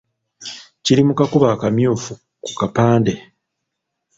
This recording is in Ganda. Kiri mu kakuubo akamyufu ku kapande.